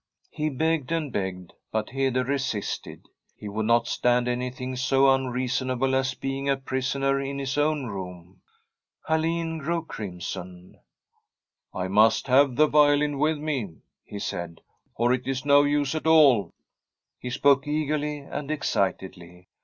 He begged and begged, but Hede resisted ; he would not stand anything so unreasonable as be ing a prisoner in his own room. [81 Tbi STORY of a COUNTRY HOUSE Alin grew crimson. * I must have the violin with me/ he said, ' oi it is no use at all.' He spoke eagerly and ex citedly.